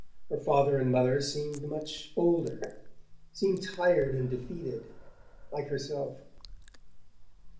Her father and mother seemed much older, seemed tired and defeated, like herself.